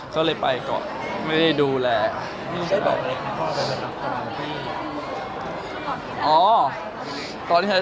เขาเลยไปก็ไม่ได้ดูนแหละ